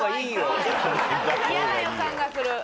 嫌な予感がする。